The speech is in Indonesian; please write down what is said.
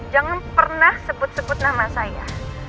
jangan pernah sebut sebut nama saya